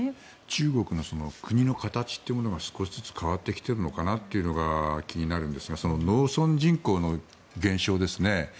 中国の国の形というものが少しずつ変わってきているのかなというのが気になるんですがその農村人口の減少ですね。